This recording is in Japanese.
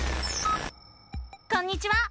こんにちは！